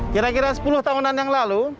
kira kira sepuluh tahunan yang lalu